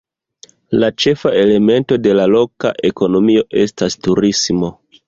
La ĉefa elemento de la loka ekonomio estas turismo.